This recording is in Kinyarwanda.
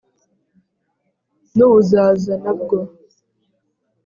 n ubuzaza na bwo